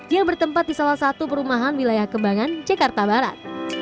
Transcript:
yang bertempat di salah satu perumahan wilayah kembangan jakarta barat